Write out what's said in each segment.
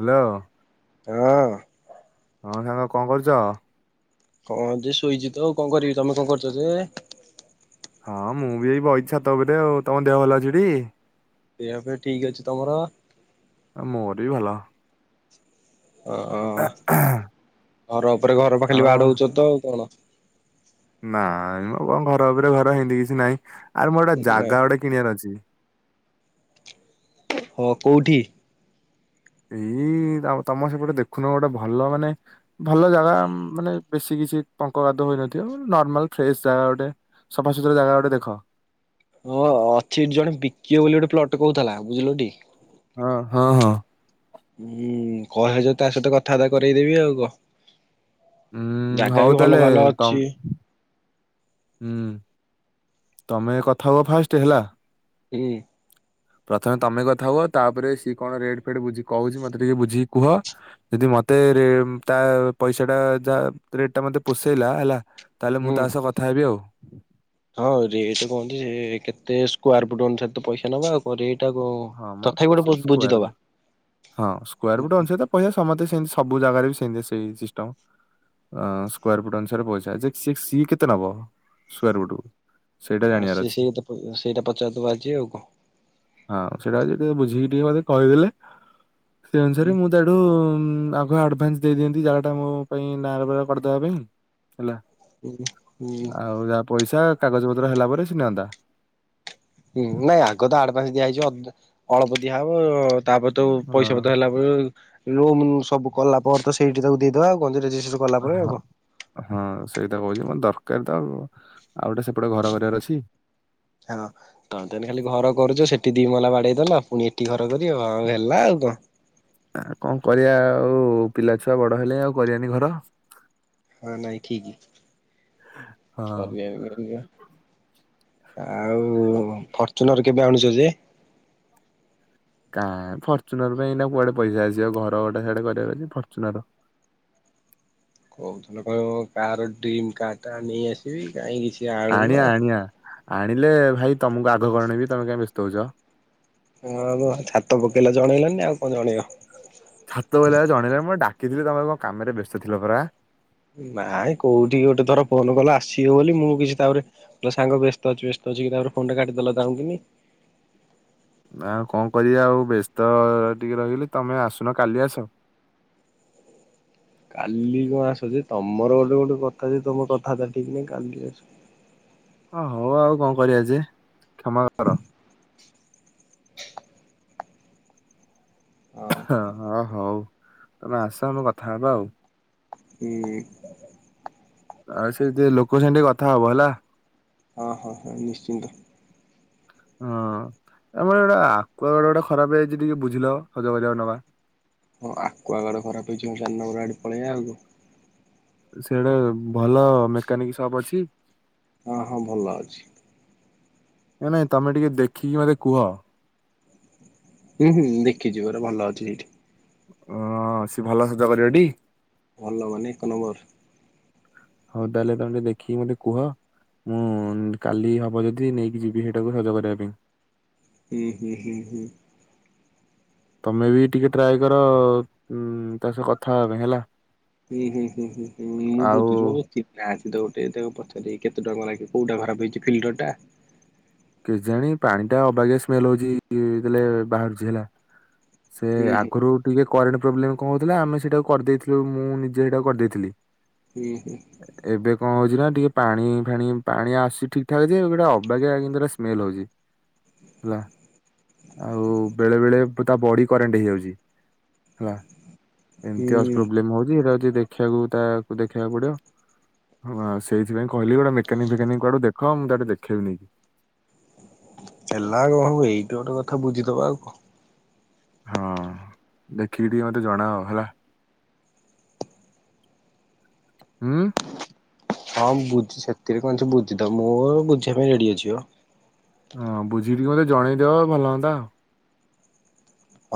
Hello? ହଁ। ହଁ ସାଙ୍ଗ କଣ କରୁଛ? କଣ ଯେ ଶୋଇଛି ତ ଆଉ କଣ କରିବି ତମେ କଣ କରୁଛ ଯେ? ହଁ ମୁଁ ବି ଏଇ ବଇଚି ଚ୍ଛାତ ଉପରେ ଆଉ ତମ ଦେହ ଭଲ ଅଛିଟି? ଦେ ଫହ ଠିକ୍ ଅଛି ତମର? ଅ ମୋର ବି ଭଲ। ଓ-ଓ-ଅ, ଘର ଉପରେ ଘର ପା ଆଉ ଖାଲି ବାଡଉଛ ତ ଆଉ କଣ। ନାଇଁ-ଇ-ଇ ମଁ କଣ ଘର ଉପରେ ଘର ହେମିତି କିଛି ନାହିଁ ଆରେ ମୋର ଗୋଟେ ନାଇଁ ଜାଗା ଗୋଟେ କିଣିବାର ଅଛି। ହୋ କୋଉଠି? ଏଇ-ଇ-ଇ ତମ, ତମ ସେପଟେ ଗୋଟେ ଦେଖୁନ ଗୋଟେ ଭଲ ମାନେ ଭଲ ଜାଗା ମାନେ ବେଶୀ କିଛି ପଙ୍କ‌ ଗାତ ହୋଇନଥିବ ନର୍ମାଲ ଫ୍ରେଶ୍ ଜାଗା ଗୋଟେ। ସଫାସୁୁତୁରା ଜାଗା ଗୋଟେ ଦେଖ। ହଁ ଅଛି ଜଣେ ବିକିବ ବୋଲି ଗୋଟେ ପ୍ଲଟ କହୁଥିଲା ବୁଝିଲୁଟି। ହଁ, ହଁ- ହଁ। ହୁଁ-ଉଁ-ଉଁ, କହିବ ଯଦି ତା ସହିତ କଥାବାର୍ତ୍ତା କରେଇଦେବି ଆଉ କହ। ଉଁ-ଉଁ-ଉଁ, ହଉ ତାହେଲେ ଭଲ ତମ୍ ଅଛି ହୁଁ, ତମେ କଥା ହବ ଫାଷ୍ଟ ହେଲା। ହୁଁ। ପ୍ରଥମେ ତମେ କଥା ହୁଅ ତାପରେ ସିଏ କଣ ରେଟ୍ ଫେଟ୍ ବୁଝି କହୁଛି ମତେ ଟିକେ ବୁଝିକି କୁହ। ଯଦି ମତେ ରେ ତା ପଇସାଟା ଯା ରେଟଟା ମତେ ପୋଷେଇଲା ହେଲା ତାହେଲେ ମୁଁ ହୁଁ। ତା ସହ କଥା ହେବି ଆଉ‌ ହଁ ରେଟ କଣକି ସେ କେତେ ସ୍କୋୟାର ଫୁଟ୍ ଅନୁସାରେ ତ ପଇସା ନବ ଆଉ। ପରେ ଏଇଟାକୁ ହଁ ମ ସେ ସ୍କୋୟାରକୁ ହଁ ସ୍କୋୟାର ଫୁଟ୍ ଅନୁସାରେ ତ ପଇସା ସମସ୍ତେ ସେମିତି ସବୁ ଜାଗାରେ ବି ସେମତି ସେଇ ସିଷ୍ଟମ। ଅଁ ସ୍କୋୟାର ଫୁଟ ଅନୁସାରେ ପଇସା ଯେ, ସେ ସେ କେତେ ନେବ ସ୍କୋୟାର ଫୁଟକୁ? ସେଇଟା ଅଁ ଜାଣିବାର ସେ ଅଛି। ସେଇଟା ପ ସେଇଟା ପଚାରିଦବ ଆଜି ଆଉ କଣ? ହଁ ସେଇଟା ଟିକେ ବୁଝିକି ଟିକେ ମତେ କହିଦେଲେ ସେଇ ଅନୁସାରେ ମୁଁ ତା ସେଠୁ ଆଗ ଆଡଭାନ୍ସ ଦେଇଦିଅନ୍ତି ଜାଗାଟା ମୋ ପାଇଁ ନାଁଆରେ ପରା କରିଦବା ପାଇଁ। ହେଲା, ହୁଁ ଆଉ ଯାହା ପଇସା କାଗଜ ପତ୍ର ହେଲା ପରେ ସେ ନିଅନ୍ତା। ହୁଁ, ନା ଆଗ ତ ଆଡଭାନ୍ସ ଦିଆ ହେଇଯିବ ଅ ଅଳପ ଦିଆହବ ତାପରେ ତ ହଁ ପଇସା ପତ୍ର ହେଲା ଉଁ-ଉଁ-ଉଁ ମୁଁ ସବୁ କଲା ପରେ ତ ସେଇଠି ତାକୁ ଦେଇଦେବା ଆଉ କଣ ଯେ ରେଜିଷ୍ଟ୍ରେସନ କଲା ହଁ ପରେ ଆଉ ହଁ। କଣ ହଁ ସେଇକଥା କହୁଛି ମତେ ଦରକାର ତ ଆଉ, ଆଉ ଗୋଟେ ସେପଟେ ଘର କରିବାର ଅଛି। [unintelligible] ତମେ ତ ଏଇନେ ଖାଲି ଘର କରୁଛ ସେଠି ଦି ମହଲା ବାଡେଇଦେଲ ପୁଣି ଏଠି ଘର କରିବ ଆଉ ହେଲା ଆଉ କଣ। ଆ କଣ କରିବା ଆଉ ପିଲାଛୁଆ ବଡ ହେଲେହେଁ ଆଉ କରିବାନି ଘର। ହଁ ନାଇଁ ଠିକି, ହଁ କରିବାକୁ [unintelligible] ଆଉ ଫର୍ଚୁନର କେବେ ଆଣୁଛ ଯେ? କାଁ ଫର୍ଚୁନର ପାଇଁ ଏଇନା କୁଆଡେ ପଇସା ଆସିବ ଘର ଗୋଟେ ସିଆଡେ କରିବାର ଅଛି ଫର୍ଚୁନର। କହୁଥିଲ କହିବ କାହାର ଡ୍ରିମ୍ କାର୍ ଟା ନେଇ ଆସିବି କାହିଁ କିଛି ଆଣୁନ। ଆଣିଆ ଆଣିଆ ଆଣିଲେ ଭାଇ ତମକୁ ଆଗ ଗଣିବି ତମେ କାଇ ବ୍ୟସ୍ତ ହଉଛ। ହଁ ଛାତ ପକେଇଲ ଜଣେଇଲନି ଆଉ କଣ ଜଣେଇବ ଛାତ ପକେଇଲା ବେଳକୁ ଜଣେଇଲନି ମୁଁ ଡାକିଥିଲି ତମେ କଣ କାମରେ ବ୍ୟସ୍ତ ଥିଲା ପରା। ନାଇଁ କୋଉଠି ଗୋଟେ ଥର ଫୋନ କଲ ଆସିବି ବୋଲି ମୁଁ କିଛି ତାପରେ ସାଙ୍ଗ ବ୍ୟସ୍ତ ଅଛି ବ୍ୟସ୍ତ ଅଛି କହିକି ଫୋନ ଟା କାଟିଦେଲ ପୁଣି। ନା କଣ କରିବି ଆଉ ବ୍ୟସ୍ତ ଟିକେ ରହିଗଲି ତମେ ଆସୁନ କାଲି ଆସ। କାଲି କଣ ଆସୁଛି ତମର ଗୋଟେ ଗୋଟେ କଥା ଯେ ତମ କଥା ଟା ଠିକ ନାହିଁ କାଲି ଆସ ଓ ହଉ ଆଉ କଣ କରିବା ଯେ କ୍ଷମା କର। [inaudible] ହଁ। ହ ହଁ ହଉ ତମେ ଆସ ଆମେ କଥା ହେବା ଆଉ। ହୁଁ। ଆଉ ସେ ଟିକେ ଲୋକ ସାଙ୍ଗେ ଟିକେ କଥା ହବ ହେଲା। ହଁ ହଁ ହଁ ନିଶ୍ଚିନ୍ତ। ହଁ ଆମର ଗୋଟେ ଆକ୍ୱା ଗାର୍ଡ ଗୋଟେ ଖରାପ ହେଇଯାଇଛି ଟିକେ ବୁଝିିଲ ସଜ କରିବାକୁ ନବା। ହଁ ଆକ୍ୱା ଗାର୍ଡ ଖରାପ ହେଇଛି ଚାର ନମ୍ବର ଆଡେ ପଳେଇବା ଆଉ। ସେଟେ ଭଲ ମେକାନିକ ସପ୍ ଅଛି। ହଁ ହଁ ଭଲ ଅଛି। ନଁ ନାଇଁ ତମେ ଟିକେ ଦେଖିକି ମତେ କୁହ। ହୁଁ ହୁଁ ଦେଖିଚି ପରା ଭଲ ଅଛି। ହ ସେ ଭଲ ସଜ କ [unintelligible] ଭଲ ମାନେ ଏକ ନମ୍ବର। ହଉ ତାହେଲେ ତମେ ଟିକେ ଦେଖିକି ମତେ କୁହ। ମୁଁ କାଲି ହବ ଯଦି ନେଇକି ଯିବି ସେଇଟାକୁ ସଜ କରିବା ପାଇଁ। ହୁଁ ହୁଁ ହୁଁ ହୁଁ। ତମେ ବି ଟିକେ ଟ୍ରାଏ କର ଅଁ ତା ସହ କଥା ହବା ପାଇଁ ହେଲା। ହୁଁ ହୁଁ ହୁଁ ହୁଁ ହୁଁ ମୁଁ ଆଉ ଭୁଛୁ। ତ ଗୋଟେ ତାକୁ ପଚାରି କେତେ ଟଙ୍କାାଗେ କୋଉଟା ଖରାପ ହେଇଛି ଫିଲ୍ଡର ଟା। କେଜାଣି ପାଣି ଟା ଅବାଗ ସ୍ମେଲ ହଉଛିଲେ ବାହାରୁଛି ହେଲା। ସେ ହୁଁ ହୁଁ ଆଗରୁ ଟିକେ କରେଣ୍ଟ ପ୍ରୋବ୍ଲେମ କଣ ହଉଥିଲା ଆମେ ସେଇଟାକୁ କରିଦେଇଥିଲୁ ମୁଁ ନିଜେ ସେଇଟା କରିଦେଇଥିଲି। ହୁଁ ହୁଁ। ଏବେ କଣ ହଉଛି ନା ଟିକେ ପାଣି ଫାଣି ପାଣି ଆସୁଛି ଠିକ ଠାକ ଯେ ଗୋଟେ ଅବାକି ଆଗରା ସ୍ମେଲ ହଉଛି ହେଲା ଆଉ ବେଳେ ବେଳେ ତା ବଡି କରେଣ୍ଟ ହେଇଯାଉଛି ହେଲା ଏମତି ହୁଁ ପ୍ରୋବ୍ଲେମ ହଉଛିଟା ଦେଖିବାକୁ ତାକୁ ଦେଖେଇବାକୁ ପଡିବ। ହଁଉ ସେଇଥିପାଇ କହିଲି ଗୋଟେ ମୋନିକ ଫେକାନିକ କୁଡ ଦେଖ ମୁଁ ତାେ ଦେେଇବି ନେଇକି। ହେଲା କଣ ହବ ଏଇୁ ଗୋେ କଥା ବୁଝିବା ଆଉ କଣ ହଁ ଦେଖିକି ଟିକେ ମତେ ଜଣେଇବା ହେଲା। ହୁଁ। ହଁ ବୁଝି ସେଥିରେ କଣସି ବୁଝିଦ ମୁଁ ବୁଝିବା ପାଇଁ ରେଡି ଅଛିିବ। ହଁ ବୁଝିକିକି ମତେ ଜଣେଇଦବ ଭଲ ହୁନ୍ତା ଆଉ।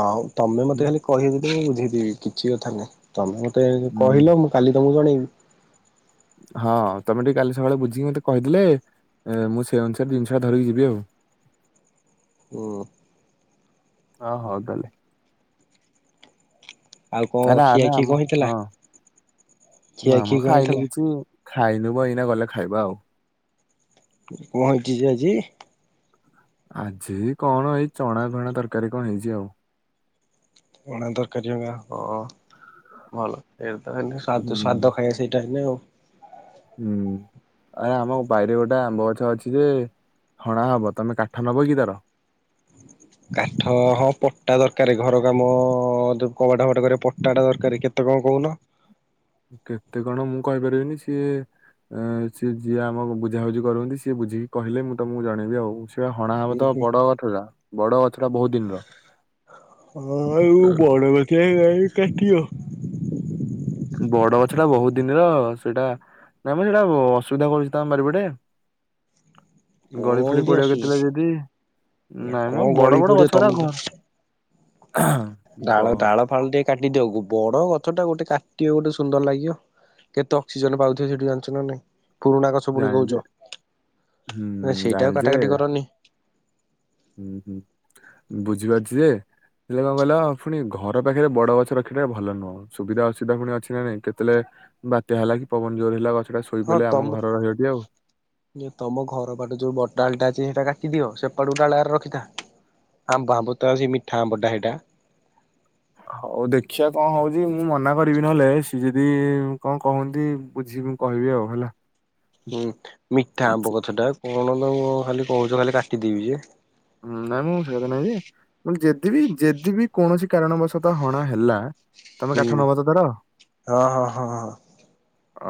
ଆଉ ତମେ ହୁଁ ମତେ ଖାଲି କହିହିବ ଯଦ ବୁଝେଇଦି କିଛି କଥା ନାଇଁ ତମେ ମତେ ହୁଁ। କହିଲ ମୁଁ କାଲି ତ ମୁଁ ଜଣେଇବି ହଁ ତମେ ଟିକେ କାଲି ସକାଳେ ବୁଝିକି ମତେ କହିଥିଲେ? ଏ ମୁଁ ସେ ଅନୁସାରେ ଜିନିଷଟା ଧରିକି ଯିବି ଆଉ ହୁଁ। ହଁ ହଉ ତାଲେ। ଆଉ କଣ ଆ ନା ଖିଆ ନା ଖି ଆମ କଣ ହଁ ହେଇଥିଲା? ନା ଖିଆ ଆ ଖି ନାମ କଣ ଖାଇନି ହେଇଥିଲା କିଛି। ଖାଇନୁ ବା ଏଇନା ଗଲେ ଖାଇବା ଆଉ କଣ ହେଇଛି ଯେ ଆଜି? ଆଜି କଣ ଏଇ ଚଣା ଫଣା ତରକାରୀ କଣ ହେଇଛି ଆଉ ଚଣା ତରକାରୀ ହେରିକା ହଁ। ଭଲ ଏଇଟା ତ ସ୍ୱାଦ ହୁଁ। ଖାଇବା ସେଇଟା ହେନ ଆଉ ହୁଁ। ଆରେ ଆମ ବାଇରେ ଗୋଟେ ଆମ୍ବ ଗଛ ଅଛି ଯେ ହଣା ହବ ତମେ କାଠ ନବ କି ତାର? କାଠ ହଁ ପଟା ଦରକାର ଘର କାମ କବାଟ ଫବାଟ କ ପଟାଟା ଦରକାର କେତେ କଣ କହୁନ? କେତେ କଣ ମୁଁ କହିପାରିବିନି ସିଏ ଏ ସିଏ ଯିଏ ଆମକୁ ବୁଝାବୁଝି କରୁନ୍ତି ସିଏ ବୁଝିକି କହିଲେ ମୁଁ ତମକୁ ଜଣେଇବି ଆଉ ହଣା ହବ ହୁଁ ତ ହୁଁ ବଡ ଗଛଟା ବଡ ଗଛଟା ବହୁତ ଦିନର। ହଁ ଏଉ ବଣ [inaudible] ବଡ ଗଛଟା ବହୁତ ଦିନର ସେଇଟା ନାଇଁ ସେଇଟା ଅସୁବିଧା ହଉଛି ଆମ୍ ବାରିପଟେ କଣ ଗଳିଫଳି ଏମିତି ପଡିବ କେତେବେଳେ ଅସୁବିଧା ଯଦି ନାଇଁ କଣ ମ ବଡ ଗଳି ବଡ ପଡିବ ଗଛଗରା ତମେ ତ ଘର ଡାଳ ବ ଡାଳ ଫାଳ ଟିକେ କାଟିଦିଅ ବଡ ଗଛଟା ଗୋଟେ କାଟିବ ଗୋଟେ ସୁନ୍ଦର ଲାଗିବ? କେତେ ଅକ୍ସିଜନ ପାଉଥିବ ସେଠି ଜାଣିଛ ନା ନାହିଁ? ପୁରୁଣା ଗଛ ପୁଣି ଜାଣିଲି ଯେ କହୁଛ ହୁଁ ସେଇଟା ଆଉ ଜାଣିଲି ଯେ କାଟାକାଟି କରନି। ବୁଝିପାରୁଛି ଯେ? ହେଲେ କଣ କହିଲ ପୁଣି ଘର ପାଖରେ ବଡ଼ ଗଛ ରଖିଲେ ଭଲ ନୁହଁ। ସୁବିଧା ଅସୁବିଧା ପୁଣି ଅଛି ନା ନାଇଁ କେତେବେଳେ ବାତ୍ୟା ହେଲା କି ପବନ ଜୋର ହେଲା ଗଛଟା ହଁ ଶୋଇପଇଲେ ଆମ ତମ ଘର ରହିବଟି ଆଉ। ତମ ଘର ପାଖରେ ଯୋଉ ବଡଡ଼ାଲଟା ଅଛି ସେଇଟା କାଟିଦିଅ ସେପଟୁଡ଼ାଳ ହେରିକା ରଖିଥା। ଆମ୍ବ ଆମ୍ବୁ ତ ଅଛି ମିଠା ଆମ୍ବଟା ହେ଼ଇଟା। ହଉ ଦେଖିବା କଣ ହଉଛି ମୁଁ ମନା କରିବି ନହେଲେ ସିଏ ଯଦି କଣ କହନ୍ତି ବୁଝି କହିବି ଆଉ ହେଲା। ହୁଁ ମିଠା ଆମ୍ବ ଗଛଟା କଣ ତ ଖାଲି କହୁଛ ଖାଲି କାଟିଦେବି ଯେ ହୁଁ ନାଇଁ ମୁଁ ସେ କଥା ନାଇଁ ଯେ ଯେଦି ବିି ଯେଦି ବିି କୌଣସି କାରଣବଶତଃ ହଣା ହେଲା। ତମେ ହୁଁ। କାଠ ନବ ତ ତାର। ହଁ ହଁ ହଁ ହଁ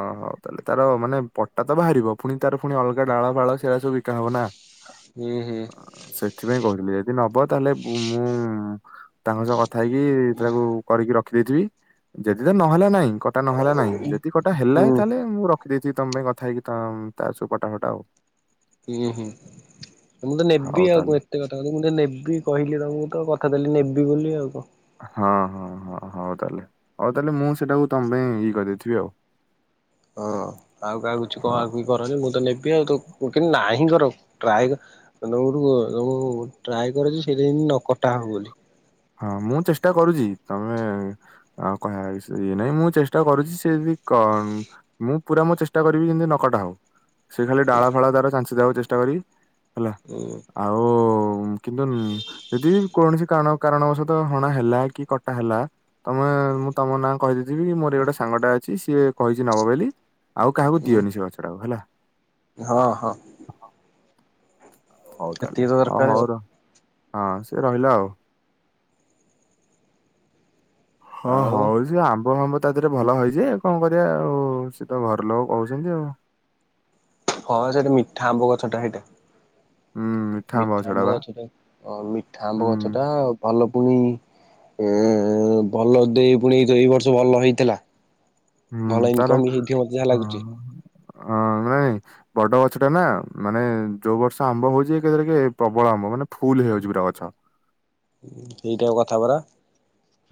ଓହୋ ତାହେଲେ ତାର ମାନେ ପଟାତ ବାହାରିବ ପୁଣି ତାର ପୁଣି ଅଲଗା ଡାଳ ଫାଳ ସେଇଟା ସବୁ ବିକା ହବ ନା। ହୁଁ ହୁଁ। ସେଥିପାଇଁ କହିଲି ଯଦି ନବ ତାହେଲେ ମୁଁ ତାଙ୍କ ସହ କଥା ହେଇକି ତାକୁ କରିକି ରଖି ଦେଇଥିବି ଯଦି ତ ନହେଲେ ନାଇଁ। କଟା ନହେଲା ନାହିଁ ଯଦି କଟା ହେଲା ହୁଁ ତାହେଲେ ମୁଁ ରଖିଦେଇଥିବି ତମ ପାଇଁ କଥାହେଇକି ତା ସବୁ ପଟା ଫଟା। ହୁଁ ହୁଁ ମୁ ମୁଁ ତ ନେବି ହଉ ଆଉ କ ତାହେଲେ ଏତେ କଥାକୁ ମୁଁ ତ ନେବି କହିଲି ତମକୁ ତ କଥା ଦେଲିି ନେବି ବୋଲି ଆଉ କଣ? ହଁ ହଁ ହଁ ହଉ ତାହେଲେ ହଉ ତାହେଲେ ମୁଁ ସେଟାକୁ ତମ ପାଇଁ ଇଏ କରିଦେଇଥିବି ଆଉ ହଁ ଆଉ କାହା କିଛି ହଁ କହାକୁହିକରନି ମୁଁ ତ ନେବି ଆଉ ତ କିନ୍ତ ନାହିଁ କର ଟ୍ରାଏ [unintelligible] ଟ୍ରାଏ କର ସେଇଟା ଯେମିତି ନ କଟା ହବ ବୋଲି ହଁ ମୁଁ ଚେଷ୍ଟା କରୁଛି ତମେ। ହଁ କହିବା ଇଏ ନାଇଁ ମୁଁ ଚେଷ୍ଟା କରୁଛି ସେ ବି କ ମୁଁ ପୁରା ମୋ ଚେଷ୍ଟା କରିବି ଯେମିତି ନକଟା ହବ। ସେ ଖାଲି ଡାଳ ଫାଳ ତାର ଚାନ୍ସ ଦେବାକୁ ଚେଷ୍ଟା କରିବି ହେଲା। ହୁଁ। ଆଉ କିନ୍ତୁ ଯଦି ବିକୌଣସି କାରଣ କାରଣବଶତ ହଣା ହେଲା କି କଟା ହେଲା ତମେ ମୁଁ ତମ ନା କହିଦେଇଥିବ କି ମୋର ଗୋଟେ ସାଙ୍ଗଟା ଅଛି ସିଏ କହିଛି ନବ ବୋଲି ଆଉ କାହାକୁ ଦିଅନି ସେ ଗଛ ଟାକୁ ହେଲା। ହଁ ହଁ। ହଉ ସେତିକି ତାହେଲେ ତ ହଁ ଦରକାର ଆଉ। ହଉ ର ହଁ ସେ ରହିଲା ଆଉ। ହଁ ଆଉ ହଉଛି ଆମ୍ବ ଫାମ୍ବ ତା ଦେହରେ ଭଲ ହେଇଯିବ ଆଉ କଣ କରିବା ଆଉ ସିଏ ତ ଘର ଲୋକ କହୁଛନ୍ତି ଆଉ ହଁ ସେଇଟା ମିଠା ଆମ୍ବ ଗଛଟା ହେଇଟା। ହୁଁ। ମିଠା ଆମ୍ବ ଗଛଟା ଆ -ମିଠା ଆମ୍ବ ହୁଁ ଗଛ ଟା ଭଲ ପୁଣି ଏ ଭଲ ଦେଇ ପୁଣି ଏଇ ଯଉ ବର୍ଷ ଭଲ ହେଇଥିଲା। ହୁଁ ଭଲ ଇନକମ୍ ହେଇଥିବମତେ ଯାହା ଲାଗୁଛି। ହଁ--ଭାଇ ବଡ ଗଛ ଟା ନା ମାନେ ଯୋଉ ବର୍ଷ ଆମ୍ବ ହଉଛି ଏକରେ କି ପ୍ରବଳ ଆମ୍ବ ମାନେ ଫୁଲୁ ହେଇଯାଉଛି ପୁରା ଗଛ। [inaudible] ସେଇଟା କଥାବରା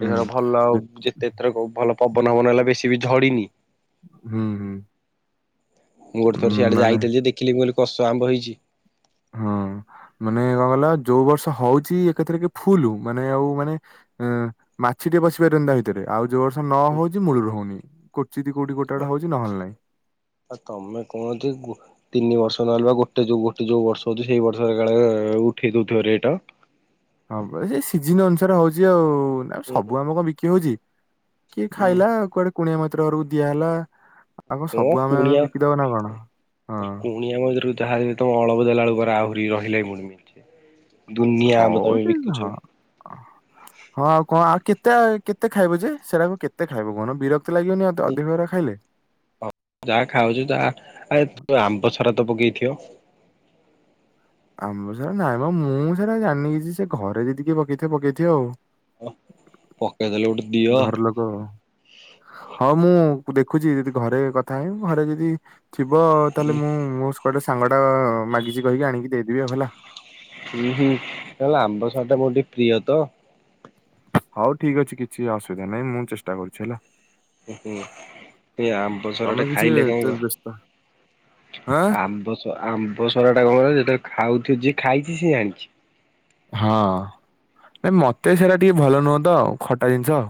ହୁଁ ଏଇଟର ଭଲ ଆଉ ଯେ- ଯେତେ ଏଥର ବହୁତ୍ ଭଲ ପବନ ଫବନ ହେଲା ବେଶୀ ବି ଝଡିନି। ହୁଁ ହୁଁ ମୁଁ ଗୋଟେ ଉଁ, ଥର ସିଆଡେ ମାନେ ଯାଇଥିଲି ଯେ ଦେଖିଲି ମୁଁ କହିଲି କଷ ଆମ୍ବ ହେଇଛି। ହଁ ମାନେ କଣ କଲା ଯୋଉ ବର୍ଷ ହଉଛି ଏକଥରେ କି ଫୁଲୁ ମାନେ ଆଉ ମାନେ ଉଁ ମାଛି ଟେ ପଶି ପାରନ୍ତା ଭିତରେ ଆଉ ଯୋଉ ବର୍ଷ ନ ହଉଛି ମୂଳରୁ ହଉନି। କୋଚିତ୍ କୋଉଠି ଗୋଟା ଗୋଟା ହୋଉଛି ନହେଲେ ନାଇଁ। ଆ ତମେ କହନ୍ତି ଗୋ ତିନି ବର୍ଷ ନହେଲେ ବା ଗୋଟେ ଯୋଉ ଗୋଟେ ଯୋଉ ବର୍ଷ ହଉଛି ସେଇ ବର୍ଷାଳେ ଉଠେଇ ଦଉଥିବ ରେଟ ହଁ ପା ସେ ସିଜିନ ଅନୁସାରେ ହଉଛି ଆଉ ନା ସବୁ ଆମ୍ବ କଣ ବିକି ହଉଛି। କିଏ ଖାଇଲା କୁଆଡେ କୁଣିଆ ମୟତ୍ର ଘରକୁ ଦିଆହେଲା। ଆ କଣ ସବୁ ଆମେ ଆମେ ବିକିଦବା ନା କଣ ହଁ ପୁଣି ଆମ ଭିତରୁ ଯାହା ବି ତମ ଅଳଦ ଦେଲାବେଳକୁ ଆହୁରି ରହିଲେ ମୁଣିମି [unintelligible] ଦୁନିଆମ୍ବ ହଉ ତମେ ସେ ହଁ। ବିକୁଛ। ହଁ ଆଉ କଣ ଆଉ କେତେଆଉ କେତେ ଖାଇବୁ ଯେ ସେଟାକୁ କେତେ ଖାଇବୁ କଣ ବୀର ଏତେ ଲାଗିବନି ନା ଅଧି ଅଧିକହେରା ଖାଇଲେ। ଯାହା ଖାଉଛୁ ଯାହା ଆରେ ତୁ ଆମ୍ବ ସାରା ତ ପକେଇଥିବ। ଆମର ସେଟା ନାଇଁମ ମୁଁ ସେଟା ଜାଣିନି କିଛି ସେ ଘରେ ଯଦି କିଏ ପକେଇଥିବେ ପକେଇଥିବ ଆଉ ହ ପକେଲ ଦେଲ ଗୋଟେ ଉ [unintelligible] ଘର ଲ ହାଲୋ ହଁ ମୁଁ ଦେଖୁଛି ଯଦି ଘରେ କଥା ହେବି ଘରେ ଯଦି ଥିବ ତାହେଲେ ମୁଁ ମୋ [unintelligible] ସାଙ୍ଗ ଟା ମାଗିଛିି କହିକି ଆଣିକି ଦେଇଦେବି ଆଉ ହେଲା ହୁଁ ହୁଁ ହେଲେ ଆମ୍ବ ସଡା ଟା ବୋଧେ ପ୍ରିୟ ତ ହଉ ଠିକ ଅଛି କିଛି ଅସୁବିଧା ନାହିଁ ମୁଁ ଚେଷ୍ଟା କରୁଛି ହେଲା। ଉଁ ହୁଁ ଏଇ ଆମ୍ବ ସଡା ଟା ତମେ କିଛି ଖାଇଲେ କଣ ଏତେ କ ବ୍ୟସ୍ତ ଆଁ ଆମ୍ବ ସ ଆମ୍ବ ସରାଟା କଣ [unintelligible] ଯେତେବେଳେ ଖାଉଥିଜି ଖାଇଚି ସିଏ ଜାଣିଚି। ହଁ ନାଇ ମତେ ସେରା ଟିକେ ଭଲ ନୁହଁ ତ ଖଟା ଜିନିଷ।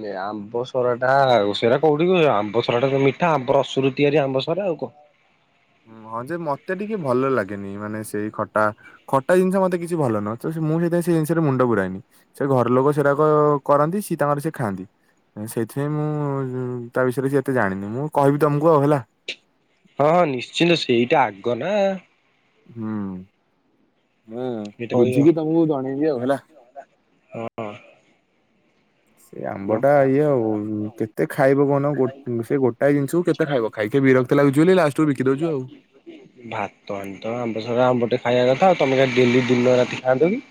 ଇଏ ଆମ୍ବ ସରାଟା ସେଇଟା କୋଉଠି କି ଆମ୍ବ ସରଟା ଯୋଉ ମିଠା ଆମ୍ବର ରସୁରୁ ତିଆରି ଆମ୍ବ ସରା ଆଉ ଙ୍କ? ହଁ ଯେ ମତେ ଟିକେ ଭଲ ଲାଗେନି ମାନେ ସେଇ ଖଟା ଖଟା ଜିନିଷ ମତେ କିଛି ଭଲ ନୁହଁ ତ ସେ ମୁଁ ସେଇଥି ପାଇଁ ସେ ଜିନିଷରେ ମୁଣ୍ଡ ପୁରାଇନି। ସେ ଘର ଲୋକ ସେରାକ କରନ୍ତି ସିଏ ତାଙ୍କର ସେ ଖାଆନ୍ ସେଇଥିପାଇଁ ମୁଁ ତା ବିଷୟରେ [unintelligible] ଏତେ ଜାଣିନି ମୁଁ କହିବି ତମକୁ ଆଉ ହେଲା। ହଁ ହଁ ନିଶ୍ଚିନ୍ତ ସେଇଟା ଆଗ ନା। ହୁଁ। ହୁଁ ସେଇଟା କହିବ ବୁଝିକି ତମକୁ ଜଣେଇବି ଆଉ ହେଲା। ହଁ ସେ ନ ଆମ୍ବ ଟା ଇଏ ଆଉ କେତେ ଖାଇବ କଉନ ଗୋ ସେ ଗୋଟାଏ ଜିନିଷକୁ କେତ୍ କେତେ ଖାଇବ ଖାଇ ଖାଇ ବିରକ୍ତ ଲାଗୁଚି ବୋଲି ଲାଷ୍ଟ କୁ ବିକି ଦେଉଚୁଆଉ। ଭାତ ଆଣି ତ ଆମ୍ବ ସରା ଆମ୍ବଟେ ଖାଇବା କଥା ଆଉ ତମେ କାଇଁ ଡେଲି ଦିନ ରାତି ଖାଆନ୍ତ କି?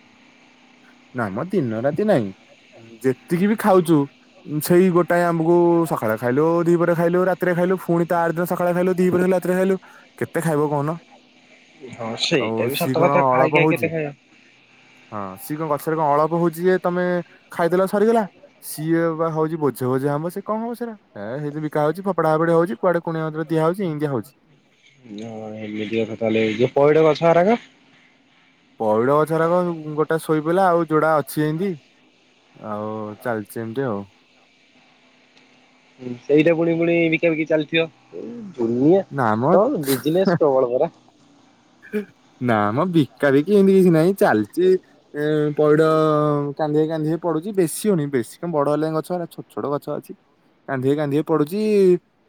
ନା ମ ଦିନ ରାତି ନାଇଁ ଯେତିକି ବି ଖାଉଚୁ ସେଇ ଗୋଟାଏ ଆମ୍ବକୁ ସକାଳେ ଖାଇଲୁ ଦି ପରେ ଖାଇଲୁ ରାତିରେ ଖାଇଲୁ ଫୁଣି ତାରି ଦିନ ସକାଳେ ଖାଇଲୁ ଦି ପହରେ ହେଲା ତିରେ ଖାଇଲୁ କେତେ ଖାଇବ କହୁନ ହଁ ଆଉ ସେଇଟା ବି ସତ ସିଏ କଣ କଥା ଖାଇ ଅଳପ ଖାଇ କେତେ ହଉଚି। ଖାଇବା। ହଁ ସିଏ କଣ ଗଛରେ କଣ ଅଳପ ହଉଛି ଯେ ତମେ ଖାଇଦେଲ ସରିଗଲା। ସିଏ ବା ହଉଚି ବୋଝେ ବୋଝେ ଆମ୍ବ ସେ କଣ ହବ ସେରା [unintelligible] ବିକା ହଉଚି ଫୋପଡା ଫୋପଡ଼ି ହଉଚି। କୁଆଡେ କୁଣିିଆ ମଇତ୍ର ଦିଆହୋଉଚି ଇନ୍ତିଆ ହଉଚି। ହଁ ଏମିତିକଥାଲେ ତ ପଇଡ ଗଛ ଗୁଡାକ? ପଇଡ଼ ଗଛରାକ ଗୋଟେ ଶୋଇ ପଇଲା ଆଉ ଯୋଡା ଅଛି ଏନ୍ତି। ଆଉ ଚାଲିଚି ଏମିତି ଆଉ। ହୁଁ ସେଇଟା ପୁଣି ପୁଣି ବିକା ବିକି ଚାଲିଥିବ। ଦୁନିଆ ନା ମ ତ ବିଜନେସ୍ ପ୍ରବଳ ପରା। ନା ମ ବିକା ବିକି ହେନ୍ତି କିଛି ନାହିଁ ଚାଲିଚି ଏ ପଇଡ଼ କାନ୍ଧିଏ କାନ୍ଧିଏ ପଡୁଚି ବେଶୀ ହଉନି ବେଶୀ କଣ ବଡ ହେଲାଣି ଗଛ ଛୋଟ ଛୋଟ ଗଛ ଅଛି। କାନ୍ଧିଏ କାନ୍ଧି ଏ ପଡୁଛି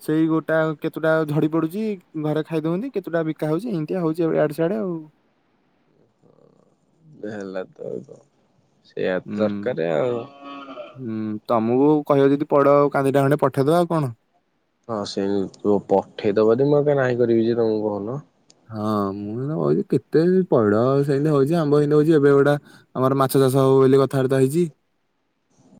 ସେଇ ଗୋଟା କେତୋଟା ଝଡିପ ପଡୁଚି ଘରେ ଖାଇ ଦଉଅନ୍ତି କେତୁଟା ବିକା ହଉଚି ଏମିତିଆ ହଉଚି ଆଉ ଇଆଡୁ ସିଆଡେ ଆଉ। ହ ହେଲା ତ [unintelligible] ସେଇଆ ହୁଁ ଦରକାର ଆଉ। ହୁଁ ତମକୁ କହିବ ଯଦି ପଇଡ଼ ଆଉ କାନ୍ଧିଟା ହାଣି ପଠେଇଦବା ଆଉ କଣ। ହଁ ସେଇମିତି ପଠେଇଦବଯଦି ମୁଁ ଆଉ କଣ ନାହିଁ କରିବି ଯେ ତମୁକୁ କହୁନ। ହଁ ମୁଁ ସିନା କହୁଚି କେତେ ପଇଡ଼ ସେନ୍ତି ହଉଚି ଆମ୍ବ ହେନ୍ତି ହଉଚି ଏବେ ଗୋଟା ଆମର ମାଛ ଚାଷ ହବ ବୋଲି କଥାବାର୍ତ୍ତା ହେଇଛି।